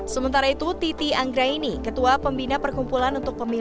sementara itu titi anggraini ketua pembina perkumpulan untuk pemilu